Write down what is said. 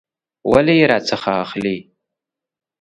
ولي یې راڅخه اخیستلې؟